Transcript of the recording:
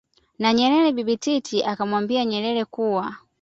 na Nyerere Bibi Titi akamwambia Nyerere kuwa